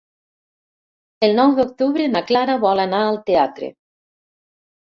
El nou d'octubre na Clara vol anar al teatre.